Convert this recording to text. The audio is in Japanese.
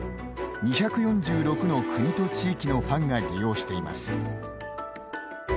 ２４６の国と地域のファンが利用しています。